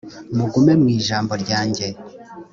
mugume mu ijambo ryanjye